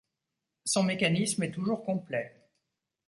Son mécanisme est toujours complet.